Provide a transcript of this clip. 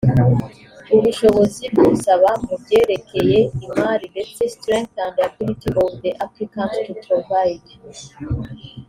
ubushobozi bw usaba mu byerekeye imari ndetse strength and ability of the applicant to provide